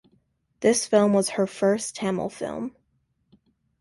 This film was her first Tamil film.